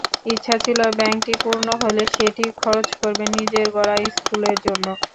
ইচ্ছা ছিল ব্যাংকটি পূর্ণ হলে সেটি খরচ করবেন নিজের গড়া স্কুলের জন্য।